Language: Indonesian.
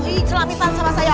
ii selamitan sama saya